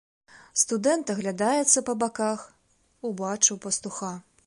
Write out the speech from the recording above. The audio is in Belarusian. Студэнт аглядаецца па баках, убачыў пастуха.